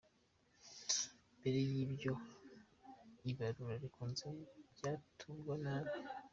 Mbere y’ibyo, ibarura rikunze byatugwa nabi.